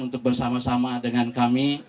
untuk bersama sama dengan kami